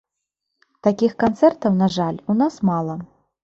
Такіх канцэртаў, на жаль, у нас мала.